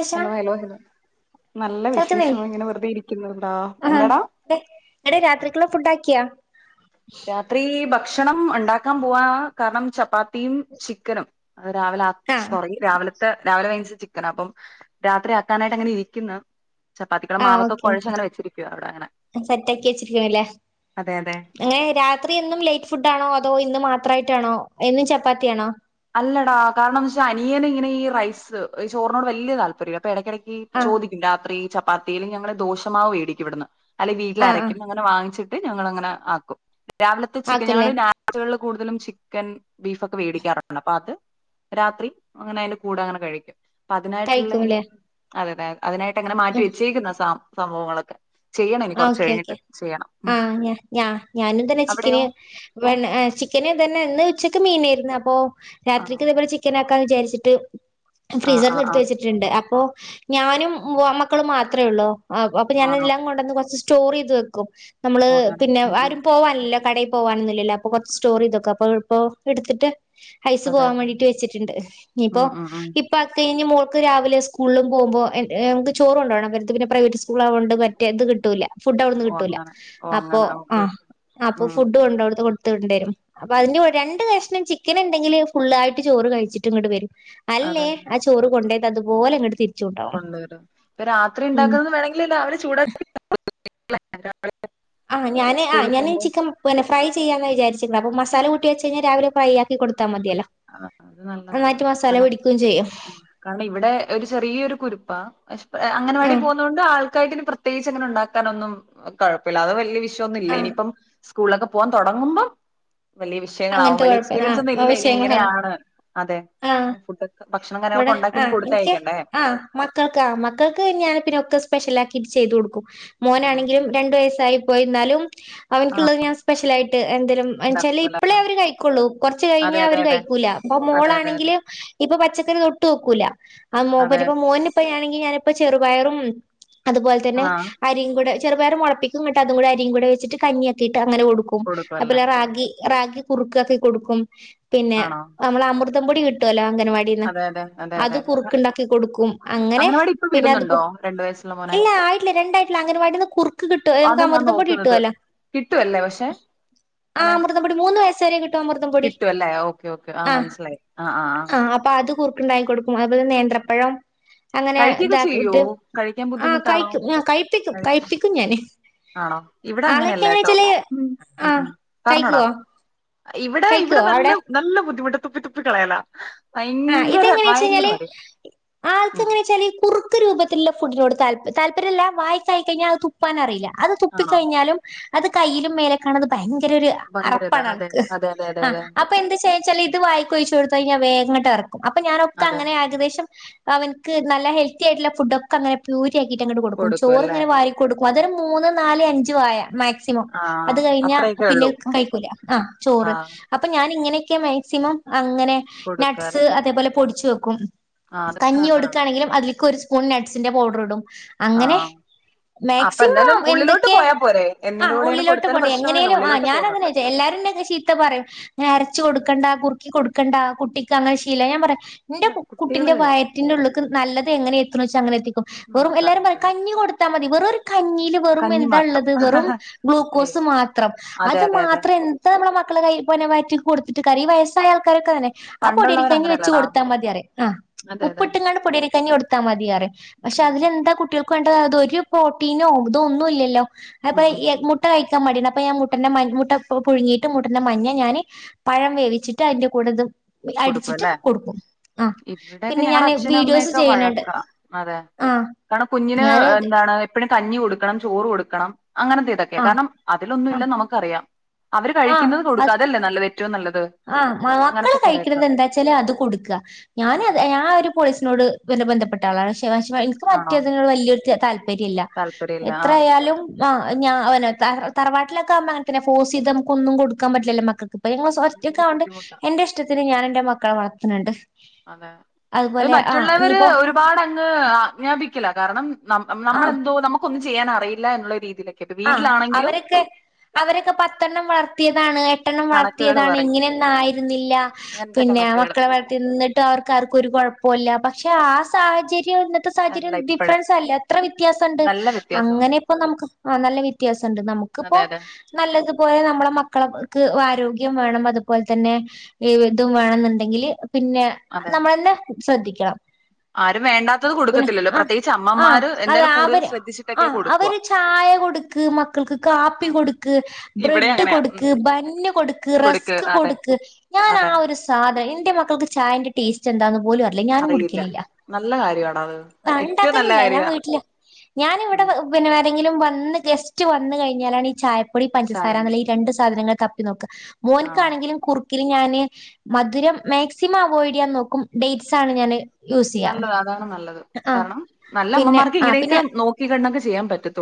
ശേഷം hello hello hello നല്ല വിശേഷം കേൾക്കുന്നില്ലേ ഇങ്ങനെ വെറുതെ ഇരിക്കുന്നുടാ എന്താടാ ആ എടെ രാത്രിക്കുള്ള ഫുഡ ആക്കിയാ രാത്രി ഭ ഭക്ഷണം ഉണ്ടാക്കാൻ പോവാ കാരണം ചപ്പാത്തിയും ചിക്കനും അത് രാവിലെ ആ ആഹ് സോറി രാവിലെ ത്തെ രാവിലെ വാങ്ങിച്ച ചിക്കനാ അപ്പം രാത്രി ആക്കാനായിട്ട് അങ്ങനെ ഇരിക്കുന്ന ചപ്പാത്തിക്കുള്ള ആഹ് മാവൊക്കെ ഓക്കെ കുഴച്ചു ഓക്കെ അങ്ങനെ വെച്ചിരിക്കുവ അവിടെ അങ്ങനെ സെറ്റ് ആക്കി വെച്ചിരിക്കണില്ലേ അതെ അതെ അങ്ങനെ രാത്രി എന്നും ലേറ്റ് ഫുഡ് ആണോ അതോ ഇന്ന് മാത്രം അത്രായിട്ടാണോ എന്നും ചപ്പാത്തിയാണോ അല്ലടാ കാരണംന്ന് വെച്ചാൽ അനിയന ഇങ്ങനെ ഈ റൈസ് ഈ ചോറിനോട് വലിയ താല്പര്യംഇ ല്ലാ പ്പെ എടയ്ക്കിടയ്ക്ക് ആഹ് ചോദിക്കും രാത്രി ച പപ്പതിയിലെ ഞങ്ങള് ദോശ മാവു വേടിക്കും ഇവിട് ന്ന് അല്ലെ ആഹ് ആഹ് വീട്ടിലരക്ക്പന്നെ അങ്ങെ വാങ്ങി ഞങ്ങങ്ങനെ ആക്കും രാവിലത്തെ ചിക്കൻ ഞങ്ങൾ ആക്കുംല്ലേ രാത്രി കളിൽ കൂടുതലും ചിക്കൻ ബീഫ് ഒക്കെേവേ ടിക്കാറുണ്ട് [inaudible] രാത്രി അങ്ങനെ അതിന്റെ കൂടെ അങ്ങനെ കഴിക്കും അപ്പ അ തിനായിട്ടുള്ള ഇനി കഴിക്കുംല്ലേ അതെ [unintelligible] അതിനായിട്ട് അങ്ങനെ മാറ്റിവ ഉം വെച്ചേക്കുന്ന സാ സംഭവങ്ങളൊക്കെ ചെയ്യണം ഇനി കൊറച്ച് ഓക്കെ ഓക്കെ കഴിഞ്ഞിട്ട് ചെയ്യണം. ആ ഉം. ഞ ഞ ഞാനും തന്നെ അവിടെയോ? ചിക്കന് ചിക്കന് തന്നെന്ന് ഉച്ചക്ക് മീന ന്ന അപ്പൊ ആണോ? രാത്രിക്ക് [unintelligible] ചിക്കൻ ക്കാ വിചാരിച്ചിട്ട് ആഹ് ഫ്രീസറിൽ നിന്ന് ആഹ് എടുത്ത് ആഹ് വെച്ചിട്ടുണ്ട് അപ്പോ ഞാനും മക്കളും മാത്രമേ ഉള്ളൂ ആ അപ്പൊ ആണോ? ഞാനെല്ലാം കൊണ്ടൊന്നു സ്റ്റോർ ചെയ്ത് വെക്കും നമ്മള് ഓഹ് അങ്ങനെ. പിന്നെ ഉം ഉം. ആരും പോവാനില്ല കടയിൽ പോവാൻ ഇല്ലല്ലോ അപ്പൊ കുറച്ച് സ്റ്റോറി ചെയ്ത് വെക്കും അപ്പൊ അപ്പൊ എടുത്തിട്ട് ഐസ് അതെ പോവാൻ അതെ. വേണ്ടിട്ട് വെച്ചിട്ടുണ്ട് ഇനിപ്പോ ഉം ഉം ഉം. ഇപ്പൊ അക്ക ഴിഞ്ഞ് മോ രാവിലെ സ്കൂളിലും പോകുമ്പോ ചോറ് കൊണ്ടുപോണം ഇവർക്ക് പിന്നെ പ്രൈവറ്റ് സ്കൂൾ ആയതുകൊണ്ട് എത് കി് [unintelligible] ട്ടൂല [unintelligible] ഫുഡ് അവിടുന്ന് ഓ കിട്ടൂല അങ്ങനെ ഓ അപ്പൊ അങ്ങനെ ആ ഓക്കെ ഓക്കെ അപ്പൊ ഉം ഫുഡ് കൊണ്ട് അപ്പ അതിന്റെ രണ്ട് കഷ്ണം ചിക്കൻ ഉണ്ടെങ്കിൽ ഫുള്ളായിട്ട് ചോറ് കഴിച്ചിട്ട് ഇങ്ങട്ട് വരും അല്ലേ ആ ചോറ് കൊണ്ട അതുപോലെ ഇങ്ങോട് കൊണ്ടുവരാം ഇപ്പൊ രാത്രി ഉണ്ടാക്കുന്നത് വേണമെങ്കിൽ അവര് ചൂടാക്കി [unintelligible] ആ് ഞാൻ ആ ഞാൻ ചിക്കൻ ഫ്രൈ ചെയ്യാന്ന വിചാച്ചട്ടില്ല അപ്പ മസാല കൂട്ടി വച്ച് കഴഞ്ഞാ രാവിലെ കൊടുക്കാം ആ അത് നല്ലതാണ് മസാല കാരണം പിടിക്കും ചെയ്യും കാരണം ഇവിടെ ഒരു ചെറിയ ഒരു കുരുപ്പാ പക്ഷെ അംഗനവാടി ആഹ് പോകുന്നതുകൊണ്ട് പ്രത്യേകിച്ച് അങ്ങനെ ഉണ്ടാക്കാനൊന്നും കുഴപ്പില്ല അത് വലിയ ഒന്നും ഇല്ല ആഹ് ഇനിയിപ്പം സ്കൂളൊക്കെ പോകൻ തുടങ്ങുമ്പോ വലിയ വിഷയങ്ങളാവും അങ്ങനത്തെ വലിയ എക്പീരിയൻസ് ഒന്നും ഇല്ല എങ്ങനെയാണ് അതെ ആഹ ഫുഡ് ഭക്ഷണം ഇവിടെ കാര്യങ്ങളൊക്കെ ഉണ്ടാക്കി ഇനി ആഹ എനിക്ക് കൊടുത്തയക്കണ്ടേ ആഹ മക്കൾക്ക് ആ മക്കൾക്ക് ഞാൻ പിന്നെ ഒക്കെ സ്പെഷ്യൽ ആക്കി ചെയ്യ്തു കൊടുക്കും ആണോ മോനാണെങ്കിലും രണ്ടു വയസ്സായി പോയിരുന്നാലും അവനിക്കുള്ളത് ഞാൻ സ്പെഷ്യൽ ആയിട്ട് എന്തേലും എന്തവെച്ചാൽ ഉണ്ടാക്കൂല ഇപ്പോഴാ അവര് കഴിക്കുള്ളൂ കുറച്ചു കഴിഞ്ഞ അതെ അതെ അവര് അതെ കഴിക്കൂല അപ്പ മോള അതെ അതെ അതെ പച്ചക്കറി തൊട്ടുനോക്കൂല്ല അതെ മോനാണെങ്കിൽ ഞാനിപ്പ ചെറുപയറും അതുപോലെ തന്നെ ആ അരിയുംകൂടെ ചെറുപയർ മുളപ്പിക്കുംഎന്നിട്ട് അതും കൂടെ അരിയുംകൂടെ വച്ചി്ട്ട് കഞ്ഞിയാക്കി അങ്ങനെ കൊടുക്കും അല്ലേ അതുപോലെ ഓ, റാഗി റാഗി കുറുക്കാക്കി കൊടുക്കും പിന്നെ ആണോ നമ്മള അമൃതം അതമ്പൊടി കട്ടുവല്ലോ അഗൻവാടിന് അതെ അതെ അതെ അത് അതെ അതെ അ- കുറുക്ക് ഉണ്ടാക്കി കൊടുക്കും അങ്ങനെ അംഗനവാടി ഇപ്പൊ പിന്നെ അതിപ്പോ വിടുന്നുണ്ടോ രണ്ട് വയസ്സുള്ള മോനെ ആയിട്ടില്ല രണ്ടായിട്ട അംഗനവാടിന്ന് കുറുക്ക് കിട്ടുവാലോ നമുക്ക് അതാ ഞാൻ അമൃതം പൊടി നോക്കുന്നത് കിട്ടല്ലോ കിട്ടുവല്ലേ പക്ഷെ ആ അങ്ങനെ അമൃതം പൊടി മൂന്ന് വയസ്സ വരെ കിട്ടും അമൃതം പൊടി ആ ആഹ് ആഹ ആഹ അത് കുറുക്കുണ്ടായി കൊടുക്കും അതുപോലെ നേന്ത്രപ്പഴം അങ്ങനെ കഴിക്കൊക്കെ ചെയ്യോ ഇതാക്കട്ട് കഴിക്കാൻ ആ ബുദ്ധിമുട്ടാണോ കഴിക്കും കഴിക്ക കഴിപ്പിക്കും ഞാന് ആണോ ഇവിടെ അങ്ങനെയല്ല ആളൊക്കെങ്ങനെ കേട്ടോ ചില ഉം ഉം ആഹ ഉം. പറഞ്ഞോടാ കഴിക്കുവോ ഇവിടെ ഇവിടെ കഴിക്കുവോ അവിടെ നല്ല നല്ല ബുദ്ധിമുട്ട് തുപ്പി തുപ്പി കളയയലാ ഭയങ്കര ഭയങ്കര മടിയ ആൾക്കങ്ങനെ വെച്ചാല് കുറുക്ക് രൂപത്തില ഫുഡിനോട് തല്പര്യംല്ല വായിച്ചായി കഴഞ്ഞൽ അത് തുപ്പാൻ അറിയില്ല അത് തുപ്പി ആണോ കഴിഞ്ഞാലും അത് കയ്യിലും മേലെക്കാണത് ഭയ ഭയങ്കര ഇതാ അറപ്പാണ് അതെ ആൾക്ക് അതെ അതെ അതെ ആ അതെ അപ്പൊ എന്താ ചെയ്യു ചല ഇത് വായിക്കോഴിച്ച് കൊടുത്തഴഞ്ഞാ വേഗങ്ഡ് ർക്ക് [unintelligible] [unintelligible] അപ്പൊ ഞാാനൊക്കെ അതെ അങ്ങനെ ഏകദേശം അവനക്ക് നല്ല ഹെൽത്തി ആയിട്ടുള്ള ഫുഡ് ഒക്കെ അങ്ങനെ പ്യൂരീ ആക്കിട്ട അങ്ങിടുകൊടുക്കും കൊടുക്കും ചോറ് അല്ലേ ഇങ്ങന വാരി കൊടുക്കും അതങ്ട് മൂന്ന് നാല് അഞ്ചു ആയ മാക്സിമം ആ അത് കഴിഞ്ഞ അത്രയൊക്കെ പിന്നെ ഉള്ളൂ കഴിക്കൂല ആ ആ ചോറ് അപ്പൊ ഞാന ഇങ്ങനെ മാക്സിമം അങ്ങനെ നസ് കൊടുക്കുക അതേപോലെ പൊടിച്ചുവയ്ക്കും കൊ ആ [inaudible] അതൊക്കെ കഞ്ഞി നല്ലതാടാ കൊടുക്കുകയാണെങ്കിലും അതിലേക്ക് സ്പൂ - നട്സ്സിന്റെ പൌഡർ ഇടും ആ അങ്ങനെ ആ അപ്പൊ എന്തായാലും മാക്സിമം ഉള്ളിലോട്ട് എന്തൊക്കെ പോയാ പോരെ ആ എന്തിന്റെ കൂടെലും ഉള്ളിലോട്ട് പോ കൊടുത്താലും പ്രശ്നമൊന്നുമില്ല എങ്ങനെലും ആ ഉള്ളിലോട്ട് ഞാനങ്ങനെ പോകുന്നുണ്ട് വച്ച എല്ലാരും ചീത്ത പറയും അരച്ച കൊടുക്കണ്ട കുറുക്കി കൊടുക് ക്കണ്ട ആ കുട്ടി ശീമം ആയാൽ ഞാൻ പറയും എന്റെ ഇല്ല കുട്ടികള് കുട്ടിന്റെ കഴിക്കും വായറ്റിന്റെള്ള നല്ല എങ്ങെഎടുവെച്ചാ അങ്ങനെ എത്തി വെറും എല്ലാരും പറയും നമുക്കറിയാതെ കഞ്ഞി കൊടുത്ത മതി വെറു ഒരു കഞ്ഞിൽ വെറും കഞ്ഞി എന്താ മാത്രം ഉള്ളത് വെറും അയ്യോ ഗ്ലൂക്കോസ് മാത്രം അതെ അത് അതെ അതെ മാത്രം എന്താ നമ്മളെ മക്കൾ കൈ വയറ്റിലേക്ക്കൊടു കരി വയസ്സായ ആൾക്കാരോക്കെങ്ങനെ ആ പണ്ടുള്ളവർ പൊടിയരിക്കഞ്ഞി വെച്ച് അങ്ങനെയല്ലടാ കൊടുത്താൽ മതി അറേ ആ അതെ അതെ ഉപ്പിട്ടുംങ്ങാണ്ട് പൊടിയരിക്കഞ്ഞി കൊടുത്താൽ മതി അറേ പക്ഷെ അതെ അതെ അതിലെന്താ കുട്ടികൾ ക്കിവെണ്ട അത് ഒരു പ്രോട്ടീനോ ഇതോ ഒന്നും ഇല്ലല്ലോ ഉം അപ്പഴി ഉം എഗ്ഗ് മുട്ടകഴി മടി ഉണ്ടപ്പ ഞാൻ മുട്ടന്റെ മുട്ട പുഴുങ്ങിയിട്ട് മുട്ടന്റെ മഞ്ഞ ഞാന് പഴം വേവിട്ട് അതിന്റെ കൂടെ ഇതും കൊടുക്കുംല്ലേ ഇവിടെയൊക്കെ പിന്നെ ഞങ്ങളുടെ ഞാന് അച്ഛനും വീഡിയോസ് അമ്മയൊക്കെ ചെയ്യണണ്ട് വഴക്ക അതെ ആ കാരണം കുഞ്ഞിന് ഞാന് എന്താണ് എപ്പഴും കഞ്ഞി കൊടുക്കണം ചോറ് കൊടുക്കണം. അങ്ങനെതെ ഇതൊക്കെയാ ആ കാരണം അതിലൊന്നും ആ ഇല്ലന്ന് നമുക്കറിയാം. അവര് കഴിക്കുന്നത് കൊടുക്കാ ആതല്ലേ നല്ലത്. ഏറ്റവും നല്ലത് ആ മക്കൾ അങ്ങനത്തെ കഴിക്കും കൊറെയൊക്കെ എന്താച്ചല് അത് കൊടുക്ക ഞാൻ അത് അതെ ഞാൻ ഒരു പോലീസിനോട് ബന്ധപ്പെട്ട ഡാലാഷ് [inaudible] എനിക്ക് ആണോ മറ്റേതിനോട് വല്യ ല്യ താൽപാ താല്പര്യ ഇല്ല താല്പര്യമില്ല എത്ര ആ ആയാലും ആ ഞാ അവന് തറവാട്ടിലൊക്കെകുമ്പോ അങ്ങനെ തന്നെ ഫോസ്ചെയ്ത് നമ്മുക്കൊന്നുകൊടുക്കാൻ പറ്റില്ലല്ലോ മക്കക്ക് അതാവുമ്പോ ണ്ട് ബുദ്ധിമുട്ടാ എന്റെ ഇഷ്ടത്തിന് ഞാൻ എന്റെ മക്ക മക്കളെവളർത്തുന്നുണ്ട്. അതെ അത് മറ്റുള്ളവര് ഇനിയിപ്പോ ഒരുപാട് അങ്ങ് ആജ്ഞാപി ക്കലാ കാരണം നമ്മ ആഹ് നമ്മളെന്തോ നമുക്കൊന്നു ചെയ്യാൻ അറിയില്ല എന്നുള്ള രീതിയില ആ അവരൊക്കെ അവരൊക്കെ പത്തെണ്ണം വളർ ർത്തിയതാണ് പത്തെണ്ണം കണക്കുകള് വളർത്തിയതാണ് പറയും ഇങ്ങനെയൊന്നും ആയിരുന്നില്ല അങ്ങനത്തെ പിന്നെ കണക്കുകള് മക്കളെ വളർത്തിട്ടും അവർക്ക് ആർക്കും ഒരു കുഴപ്പോല്ല ബട്ട്‌ പക്ഷെ ആ സാഹചര്യ വും ഇന്നത്തെ അല്ല സാഹചര്യം ഇപ്പഴ് ഡിഫറൻസ് അല്ലെ എത്ര വ്യത്യാസമുണ്ട് നല്ല വ്യത്യാസമുണ്ട് അങ്ങനെ ഇപ്പോ നമുക്ക് നല്ല വ്യത്യാസമുണ്ട് നമുക്കിപ്പോ അതെ അതെ നല്ലതുപോലെ നമ്മളെ മക്കളെ ആരോഗ്യം വേണം അതുപോലെ തന്നെ ഇതും വേണംന്നുണ്ടെങ്കിൽ പിന്നെ അതെ നമ്മളെന്നെ ശ്രദ്ധിക്കാം ആരും വേണ്ടാത്തത് കൊടുക്കത്തില്ലല്ലോ ആഹ് പ്രത്യേകിച്ച് ആഹ് അമ്മമാര് അതെ എന്താലും കൂടുതൽ അവര് ശ്രദ്ധിച്ചിട്ടൊക്കെ ആഹ് കൊടുക്കുഅ അവര് ചായ കൊടുക്ക് മക്കൾക്ക് കാപ്പി കൊടുക്ക് ഇവിടേം ബ്രെഡ് അങ്ങനെയാ ഉം കൊടുക്ക് ബന്ന് കൊടുക്ക് റസ്ക് കൊടുക്ക് ഞാൻ അതെ ആഹ് ഒരു സാനം എന്റെ മക്കൾക്ക് ചായന്റെ ടേസ്റ്റ് എന്താന്ന് പോലുംഅ അറിയില്ല നല്ല കാര്യാണ് അത് ഏറ്റോം നല്ല കാര്യ ഞാന് ഇവിടെ പി ങ്കിലും വന്നി ഗസ്റ്റ് വന്ന് കഴിഞ്ഞാലാണ് ഈ ചായ പൊടി ചായ പഞ്ചസാരന്നുള്ള ഈ ഉണ്ടാക്കുന്നത് രണ്ട് സാധനങ്ങൾക്ക് അപ് നോക്ക ആണോ മോന്ക്കാണെങ്കിലും കുറു ഞാന് മധുരം മാക്സിമം അവോയ്ഡ് ചെയ്യാൻ നോക്കും ഡേറ്റ്സ് ആണ് ഞാന് യൂസ് ചെയ്യാ നല്ലത് അതാണ് നല്ലത് ആഹ് കാരണം നല്ല പിന്നെ അമ്മമാർക്ക് ആഹ് ഇങ്ങനെയൊക്കെ പിന്നെ നോക്കി കണ്ടൊക്കെ ചെയ്യാൻ പറ്റുത്ത്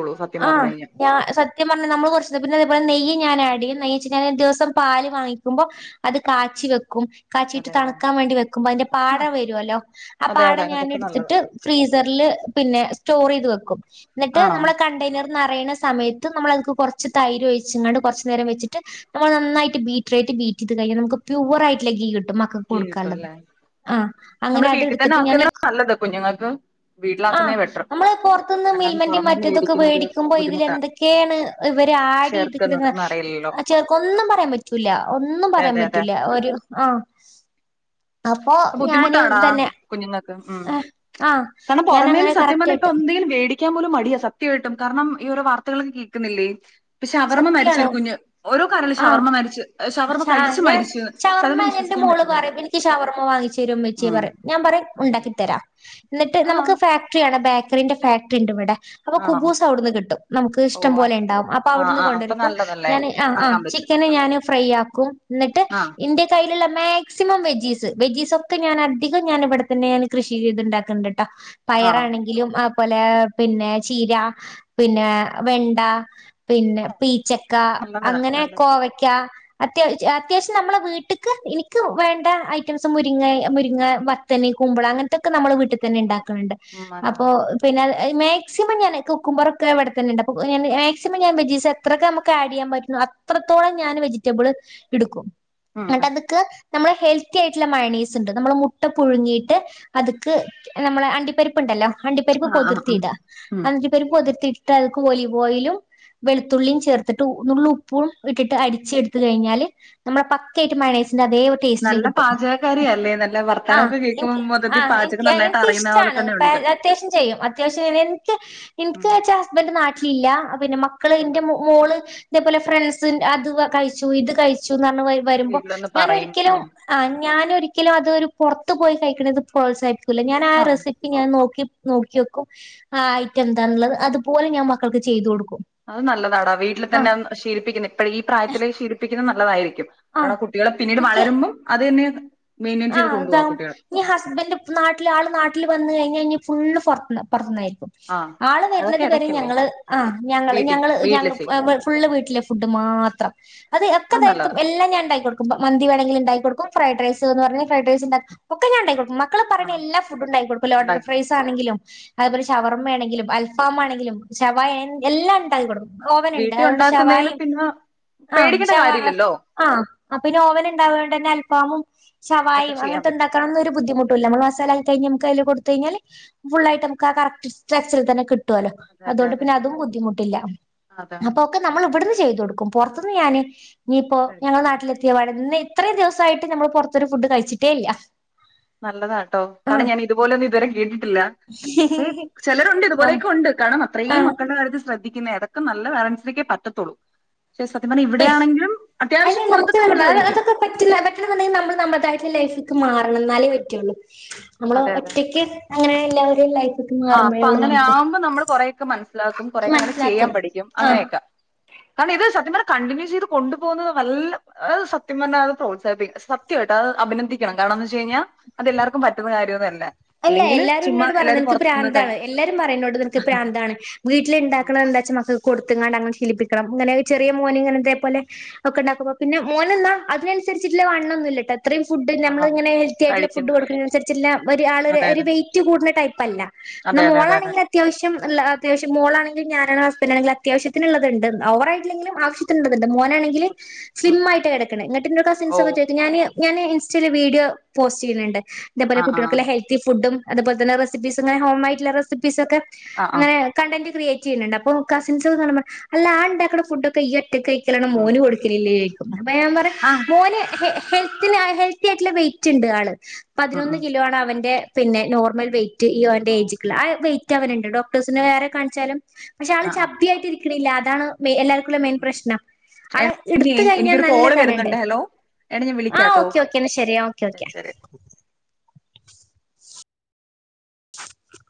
ആഹ് ഞാ സത്യം പറഞ്ഞാൽ നമ്മള് കുറച്ചത് പിന്നെ അതുപോലെ നെയ്യ് ഞാൻ ആഡ് ചെയ്യും നെയ്യ് വച്ചിട്ട് ദിവസം പാല് വാങ്ങിക്കുമ്പോ അത് കാച്ചി വെക്കും കാച്ചിട്ട് അതെ അതെ തണുക്കാൻ വേണ്ടി വെക്കുമ്പോ അതിന്റെ പാട ആഹ് വരുല്ലോ ആ അതെ പാട അതെ ഞാൻ അതൊക്കെ നല്ലത് എടുത്തിട്ട് ഫ്രീസറില് പിന്നെ സ്റ്റോർ ചെയ്ത് വെക്കും എന്നിട്ട് ആണോ നമ്മള് ർ നറയണ സമയത്ത് നമ്മൾ കുറച്ച് തൈര് ഒഴിച്ചങ്ങാണ്ട് കുറച്ചുനേരം വച്ചിട്ട് നമ്മൾ നന്നായിട്ട് ബീറ്ററയിട്ട് ബീറ്റ് ചെയ്ത് കഴിഞ്ഞൽ നമുക്ക് പ്യുവർ ആയിട്ടുള്ള ഗീ കിട്ടും ക്ക ഗീ കിട്ടും കൊടുക്കാനുള്ളത് അല്ലേ ആ അങ്ങനെ നമ്മള് അത് വീട്ടിൽ തന്നെ എടുത്തിട്ട് ഞാൻ ആക്കുന്ന നല്ലത് കുഞ്ഞുങ്ങൾക്ക് ആ വീട്ടിലാക്കുന്നേ ബെറ്റർ നമ്മള് പുറത്തന്ന് കാരണം മിൽമന്റെ പുറമേന്ന് മറ്റേതൊക്കെ മേടിക്കുന്നത് വേടിക്കുമ്പോ ഇതില് ബുദ്ധിമുട്ടാ എന്തൊക്കെയാണ് ഇവര് ആഡ് ചെയ്തിക്കണ് ചേർക്കുന്നതൊന്നും അറിയില്ലല്ലോ ചേർക്ക ഒന്നും പറയാൻ പറ്റൂല ഒന്നും അതെ പറയാൻ അതെ അതെ പറ്റൂല ഒരു ആഹ് അപ്പൊ ഞാന് ബുദ്ധിമുട്ടാടാ തന്നെ കുഞ്ഞുങ്ങൾക്ക് ഉം ആഹ് കാരണം പുറമേന്ന് ഞാനങ്ങനെ സത്യം പറഞ്ഞാ ഇപ്പ കറക്റ്റായിട്ട് എന്തെങ്കിലും വേടിക്ക ടിക്കാൻ പോലും മടിയാ സത്യമായിട്ടും കാരണം ഈ ഓരോ വാർത്തകളൊന്നും കേൾക്കുന്നില്ലേ ഇപ്പോ ഷവർമ്മ സത്യാണ് മരിച്ചൊരു കുഞ്ഞ് ഓരോ കരള് ആഹ് ശവർമ്മ മരിച്ച് ഷവർമ്മ കഴിച്ച് ഞാൻ മരിച്ചു ശവർമ്മ സാധാരണ എന്റെ വിശ്വസിക്കാൻ മോള് പറ്റുന്നില്ല പറയും എനിക്ക് ശവർമ്മ വാങ്ങിച്ചു തരുവോ ഉമ്മച്ചി ഉം പറയും ഞാൻ പറയും അടിപൊളി ഉണ്ടാക്കിത്തരാ എന്നിട്ട് ആ നമുക്ക് ഫാക്ടറി ആണ്. ബേക്കറിന്റെ ഫാക്ടറി ഉണ്ട് ഇവിടെ. അപ്പോ ആണോ കുബൂസ് അവിടുന്ന് കിട്ടും നമുക്ക് ഓ ഇഷ്ടം പോലെ അത് ഉണ്ടാവും അപ്പോ ആ അവിടുന്ന് ആ അപ്പൊ കൊണ്ടുവരും ഇപ്പോൾ നല്ലതല്ലേ ഞാന് ആഹ് ആഹ് ആക്കാൻ പറ്റും ചിക്കന് ഞാന് ഫ്രൈ ആക്കും എന്നിട്ട് ആ എൻ്റെ [unintelligible] ഇല്ല ഇല്ലാ മാക്സിമം വെജീസ് വെജീസ് ഒക്കെ ഞാൻ അധികം ഞാൻ ഇവിടെത്തന്നെ കൃഷി ചെയ്തുണ്ടാക്കണ്ട്. ആണോ പയറാണെങ്കിലും അ പോലെ പിന്നെ ചീര പിന്നെ വെണ്ട പിന്നെ ആ, പീച്ചക്ക ഇതൊക്കെ നല്ലതാ അങ്ങനെ നല്ലതാ കോവക്ക അത്യാവശ്യ അത്യാവശ്യം നമ്മളെ വീട്ടക്ക് എനിക്ക് വേണ്ട ഐറ്റംസ് മുരിങ്ങ മുരിങ്ങ മത്തന് കുമ്പള അങ്ങനത്തൊക്കെ നമ്മളെ വീട്ടിൽ തന്നെ ഉണ്ടാക്കും ണ്ട് ഉം അതെ അപ്പോ പിന്നെ മാക്സിമം ഞാൻ കുക്കുംബറെക്കെ ഇവിടെത്തന്ന ഉണ്ട് അപ്പോൾ മാക്സിമം ഞാൻ വെജീസ് എത്രൊക്കെ നമക്ക് ആഡ് ചെയ്യാൻ പറ്റും അത്രത്തോളം ഞാൻ വെജ റ്റബിൾ എടുക്കും ഉം എന്നട്ട് അതെക്കെ നമ്മെ ഹെൽത്തി ആയിട്ടുള്ള മയോണീസ് ഉണ്ട് നമ്മൾ മുട്ട പുഴുങ്ങിയിട്ട് അത്ക്ക് നമ്മളെ അണ്ടിപ്പരിപ്പ് ഉണ്ടല്ലോ അണ്ടിപരിപ്പ് ആ ആ കുതിർത്തി ഉം ഇടാ ഉം അണ്ടിപരിപ്പ് കുതിർത്തിട്ട് അതിലേക്ക് ഒലിവ് ഓയിലും വെളുത്തുള്ളിയും ചേർത്തിട്ട് നുള്ള് ഉപ്പും ഇട്ടിട്ട് അടിച്ചെടു എടുത്തു കഴിഞ്ഞാല് നമ്മുടെ പക്ക ആയിട്ട് മയോണയ്സ് അതോ ടേസ്റ്റില് നല്ല കിട്ടും പാചകക്കാരിയല്ലേ നല്ല ആ വർത്താനമൊക്കെ കേൾക്കുമ്പോൾ എനിക്ക് ആ മൊത്തത്തിൽ പാചകം നന്നായിട്ട് എനിക്ക് അറിയുന്ന പോലെ ഇഷ്‌ടാണ് തന്നെ ഉണ്ട് അത്യാവശ്യം ചെയ്യും അത്യാവശ്യം ഉം എനിക്കിന്ന് വെച്ചാ ഹസ്‌ബൻ്റ് ഇല്ലാ പിന്നെ മക്കള് അതുകൊണ്ട് എന്റെ മോള് ഇതേപോലെ ഫ്രണ്ട്സ് അത് കഴി കഴിച്ചു ഇത് കഴിച്ചു വരുമ്പോ വീട്ടിലൊന്ന് ഞാൻ പറയും ഒരിക്കലും ഉം ആ ഞാനൊരിക്കലും ഒരിക്കലും അതൊരു പുറത്ത് പോയി കഴിക്കണത് പ്രോത്സാഹിപ്പിക്ക ല്ല ഞാൻ ആ ആഹ് റെസിപ്പി ഞാ നോക്കി നോക്കി വെക്കും ആ ഐറ്റം എന്താനുള്ളത് അതുപോലെ ഞാൻ മക്കൾക്ക് ചെയ്ത് കൊടുക്കും അത് നല്ലതാടാ വീട്ടിൽ തന്നെ ആഹ് ശീലപ്പിക്കുന്ന ഇപ്പ ഈ പ്രായത്തിലേ ശീലിപ്പി ശീലിപ്പിക്കുന്നത് നല്ലതായിരിക്കും ആഹ് ക്കും കുട്ടികളെ പിന്നീട് എനിക്ക് വളരുമ്പം അത് തന്നെ മെയിൻറ്റെയിൻ ചെയ്ത് ആഹ് അതാ കൊണ്ടുപോവാ കുട്ടികളെ ഈ ഹസ്ബൻറ്റ് നാട്ടില് ആള് നാട്ടില് വന്ന കഴിഞ്ഞ ഫുള്ള് പുറത്തുന്നായിരിക്കും ആഹ് ആള് വരുന്നത് അതൊക്കെ വരെ ഇടയ്ക്കല്ലേ ഞങ്ങള് ആ ഞങ്ങള് വീട്ടി ഞങ്ങള് ഞ വീട്ടില് ചെയ്യും ഫുള്ള് വീട്ടിലെ ഫുഡ് മാത്രം അത് ഒക്കെതായിട്ടും എല്ലാം ഞാൻ ഇണ്ടാക്കി കൊടുക്കും മന്തി വേണമെങ്കിലിൽ ഉണ്ടാക്കി കൊടുക്കും ഫ്രൈഡ് റൈഡ് വന്ന് പറഞ്ഞ ഫ്രൈഡ് റൈസ് ഉണ്ടാക്കി ഒക്കെ ഞാൻ ഉണ്ടാക്കി കൊടുക്കും മക്കള മക്കൾ പറയണ ആണോ എല്ലാ ഫുഡുണ്ടാക്കി കൊടുക്കും ലോഡഡ് ഉണ്ടാക്കി കൊടു ഫ്രൈയ്സ് ആണെങ്കിലും അതുപോലെ ശവർമ്മയാണെങ്കിലും അൽഫാമ ആണെങ്കിലും ശവായഎല്ലാം ഉണ്ടാക്കി കൊടുക്കും ഓവന് ഉണ്ട് വീട്ടി അതുകൊണ്ട് ഉണ്ടാക്കുന്നേലും ശവായയും പിന്നെ ആ പേടിക്കേണ്ട ശവാ കാര്യമില്ലല്ലോ ആ പിന്നെ ഓവൻ ഉണ്ടാവോണ്ട് കൊണ്ട് തന്നെ അൽഫാമും ശവായ ഇതൊക്കെ ചെയ്യാൻ പറ്റും അങ്ങനത്തെഉണ്ടാക്കാനെന്നും ഒരു ബുദ്ധിമുട്ടുല്ല നമ്മൾ മസാലാക്കി കഴിഞ്ഞാ നമു ക്ക്അയിൽ കൊ ടുത്ത് കഴിഞ്ഞാ ഫുള്ളായിട്ട് നമുക്ക് ആ കറക്റ്റ് സ്ട്രക്ച്ച റിൽതന്നെ കിട്ടും ട്ടോ ലേ അതെ അതെ അതുകൊണ്ട് അതെ പിന്നെ അതും ബുദ്ധിമുട്ടില്ല അതാ അപ്പൊ ക്കെ നമ്മൾ ഇവിടുന്ന് ചെയ്തു കൊടുക്കും പുറത്തുന്ന് ഞാന് നീ പ്പോ ഞങ്ങൾ കഴിക്കാൻ പറ്റും നാട്ടിലെത്തിയ പാടെ ഇന്ന് ഈത്രയും ദിവസമായിട്ട് നമ്മൾ പുറത്ത് രുഫുഡ് കഴിച്ചിട്ടേ ഇല്ല നല്ലതാ കേട്ടോ കാരണം ഞാൻ ആഹ് ഇതുപോലെന്നും ഇതുവരെ കേട്ടിട്ടില്ല പക്ഷെ ചിലരുണ്ട് ഇതുപോലെയൊക്കെ ഉണ്ട് കാരണ അത്രയും മക്കളുടെ കാര്യത്തിൽ ശ്രദ്ധിക്കുന്നേ അതൊക്കെ നല്ല പേരന്‍സിനൊക്കെ പറ്റത്തൊള്ളൂ അയ്ന് നമുക്ക് പുറത്തൊക്കെ ഫുഡ് ട്ടല്ലേ കഴിക്കും. അത് ക്കെ പറ്റില്ല അതെക്കെണ്ടെങ്കിൽ നമ്മ നമ്മൾതായിട്ട് ലൈഫിൽ മാറണം ന്നാലേ പറ്റുള്ളൂ നമ്മള് അതെ അതെ ഒറ്റയ്ക്ക് അങ്ങനെ എല്ലാവരും ലൈ ആ പ്പോ അങ്ങനെയാകുമ്പോ നമ്മൾ കൊറെയൊക്കെ മനസ്സിലാക്കും കൊറൊക്കെ അങ്ങനെ ചെയ്യാൻ മനസ്സിലാക്കും പഠിക്കും ആഹ് അങ്ങനെയൊക്കെ കാരണം ഇത് സത്യം പറഞ്ഞ കണ്ടിന്യൂ ചെയ്ത് കൊണ്ടുപോകുന്നത് നല്ല സത്യം പറഞ്ഞ അത് പ്രോത്സാഹിപ്പിക്കണ്ണം സത്യമായിട്ട് അത് അഭിനന്ദിക്കണം കാരണം എന്ന് വെച്ച് കഴിഞ്ഞാൽ അത് എല്ലാവർക്കും പറ്റുന്ന കാര്യന്നു അല്ല അല്ല എല്ലാരും ഇന്നോട് പറയും നിനക്ക് പ്രാതാ കഴി താണ് എല്ലാരും പറയുന്നോട് നി നക്ക്പ്രാന്താണ് വീട്ടിൽ ഉം ഉണ്ടാക്കണ എന്താച്ചാ മക്കൾക്ക് കൊടുത്ത് കാണ്ട് അങ്ങനെ ശീലിപ്പിക്കണം അങ്ങനെ ചെറിയ മോന് ഇങ്ങനെ ഇതേ പോലെ ഉണ്ടാക്കുപ്പോ പിന്നെ മോന് ന്നാ അതിനനുസരിച്ചിട്ട്‌ ള്ള വണ്ണം ഒന്നും ഇല്ലട്ടോ അത്രയും ഫുഡ് ആ നമ്മളിങ്ങന ഹെൽത്തി ആയിട്ടുള്ള ഫുഡ് കഴിക്കുന്നു കൊടുക്ക്ണ അനുസരിച്ചുള്ള വ ഒരാളെ അതെ അതെ വെയ്റ്റ് കൂ കൂട്ണ ടൈപ് അല്ല എന്നാ അതെ അതെ അതെ അതെ മോളാണെങ്കിൽ അത്യാവശ്യം നല്ല അത്യാവശ്യം മോളാണെങ്കിൽ ഞാ നും ഹസ്ബന്റാണങ്കിൽ അത്യാവിശ്യത്തിന് ഉള്ളത് ണ്ട് ഓവറായിട്ടില്ലെങ്കിലും ആവ്യത്തിനുള്ളത്ണ്ട് മോനാണെങ്കിൽ സ്ലിം ഉം ആയിട്ടാ കിടക്ക്ണേ ങ്ങട്ട് ഇന്നോട് കസിൻസ് ഓ ഒക്കെ ചോദിക്കും ഞാന് ഞാന് ഇൻസ്റ്റയിൽ വീഡിയോ പോസ്റ്റ് ചെയ്യുന്നുണ്ട് തേ പേലെ ആ കു ട്ടോ ആ ൾ ക്കുള്ള ഹെൽത്തി ഫുഡും അതുപോലെന്നെ റെസിപ്പീസും ങ്ങനെ ഹോമ് ആയിട്ടുള്ള റെസിപ്പീസ് ഒക്കെ ആ ആ ആ അങ്ങനെ കണ്ടന്റ് ക്രിയേറ്റ് ചെയ്യ്ണ് ണ്ട് അപ്പം കസിൻസ് ഒക്കെ കാണുമ്പം പറിം അല്ല ആ ഉണ്ടാക്ണ ഫുഡൊക്കെ ഇയ്യ് ‌ ഒ റ്റക്ക് കഴിക്കലാണൊ ഉം ഉം മോന് കൊടുക്കലില്ലേ ചോയ്ക്കും. അപ്പം ഞാൻ പറിം ആ മോന് ഹെ ഹെൽത്തിന് ഹെൽത്തി ആയിട്ട്ള്ള വെയിറ്റ്ണ്ട് ആള്. ആ പതിനൊന്ന് ആഹ് കിലോ ആണ് അവന്റെ, പിന്നെ നോർമൽ വെയിറ്റ് ഇ ഓന്റെ ഓ ഓക്കെ എയ്ജ്ക്ക്ള്ള, ഓക്കെ ആവൈറ്റവന്ണ്ട്. ആ ഡോക്ടേഴ്സ്നെ വേറെ കാണിച്ചാലും, പക്ഷെ ആള് ആ ആ ചബ്ബി ആയിട്ടിരി ക്ക്ണില്ല, അതാണ് മെ എല്ലാർ മെയിൻ ഉം പ്രശ്നം. ആളെ ഇട്ത്ത് കഴിഞ്ഞാ എനിക്കൊരു നല്ല കോള് കനണ്ട്. വരുന്നുണ്ട് ഹലോ എടാ ഞാൻ ആഹ് വിളിക്കാട്ടോ ഓക്കെ ഓക്കേ എന്ന ശെരി ഓക്കെ ഓക്കെ. ശരി ശരി [inaudible] [inaudible]